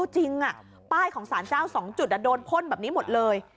จริงป้ายของสารเจ้า๒จุดโดนพ่นแบบนี้หมดเลย